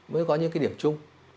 mới có những cái điểm chung